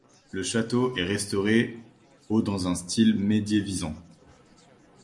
Le château est restauré au dans un style médiévisant.